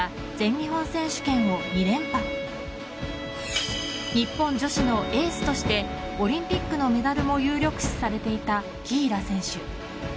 日本女子のエースとしてオリンピックのメダルも有力視されていた紀平選手。